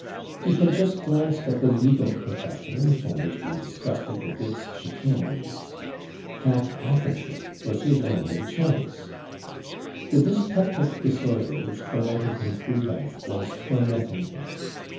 He had just glanced at the legal profession only to be disgusted with its chicaneries. Hack authorship was his only chance. The dyspeptic disorder which tormented him through life was tormenting him.